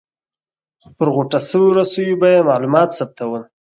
خو پر غوټه شویو رسیو به یې معلومات ثبتول.